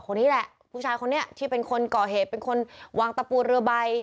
คนนี้แหละผู้ชายคนนี้ที่เป็นคนก่อเหตุเป็นคนวางตะปูเรือใบ